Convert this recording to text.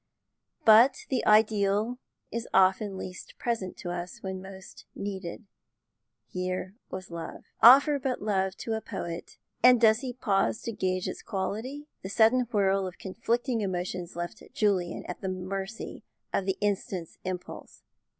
But the ideal is often least present to us when most needed. Here was love; offer but love to a poet, and does he pause to gauge its quality? The sudden whirl of conflicting emotions left Julian at the mercy of the instant's impulse.